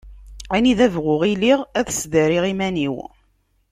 Anida bɣuɣ iliɣ ad sdariɣ iman-iw.